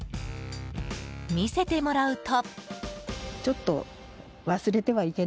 見せてもらうと。